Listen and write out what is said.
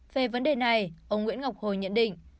về vấn đề này ông nguyễn ngọc hồi nhận định